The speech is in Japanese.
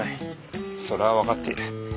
それは分かっている。